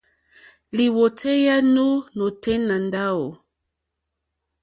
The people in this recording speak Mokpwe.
Lìwòtéyá nù nôténá ndáwò.